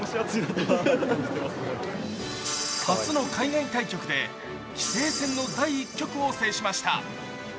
初の海外対局で棋聖戦の第１局を制しました。